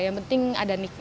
yang penting ada nic nya